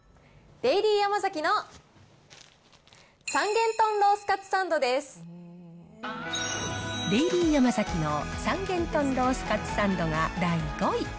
デイリーヤマザキの三元豚ロースかつサンドが第５位。